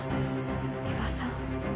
伊庭さん。